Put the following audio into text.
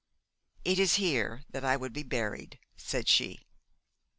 'It is here that I would be buried,' said she.